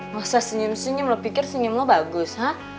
masa senyum senyum lo pikir senyum lo bagus